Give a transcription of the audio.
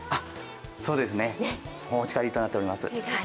そうですね、お持ち帰りのみとなっています。